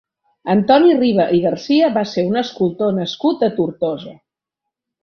Antoni Riba i Garcia va ser un escultor nascut a Tortosa.